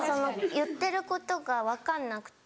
言ってることが分かんなくて。